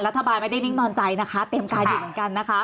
รัฐบาลไม่ได้นิ่งนอนใจนะคะเตรียมการอยู่เหมือนกันนะคะ